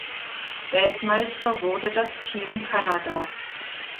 Weltmeister wurde das Team Kanada.